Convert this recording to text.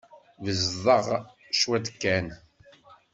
Beẓẓḍeɣ cwiṭ kan.